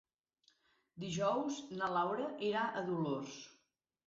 Dijous na Laura irà a Dolors.